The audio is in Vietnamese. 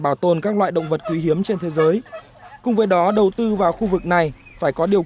bảo tồn các loại động vật quý hiếm trên thế giới cùng với đó đầu tư vào khu vực này phải có điều